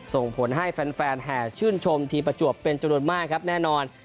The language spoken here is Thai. ส่งผลให้แฟนแห่ชื่นชมทีมประจวบเป็นจำนวนมากครับแน่นอน